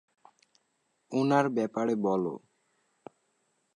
ওনার ব্যাপারে বলো।